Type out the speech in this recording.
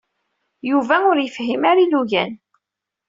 Yuba ur yefhim ara ilugan.